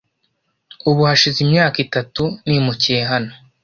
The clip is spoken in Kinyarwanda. Ubu hashize imyaka itatu nimukiye hano.